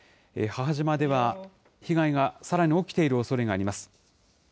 母島では、被害がさらに起きているおそれがあります。